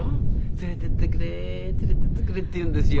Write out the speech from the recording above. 「連れて行ってくれ連れて行ってくれ」って言うんですよ。